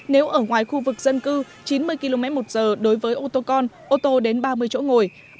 nếu ở ngoài khu vực dân cư chín mươi km một giờ đối với ô tô con ô tô đến ba mươi chỗ ngồi